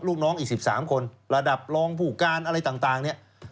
ลูกน้องอีก๑๓คนระดับรองผู้การอะไรต่างเนี่ย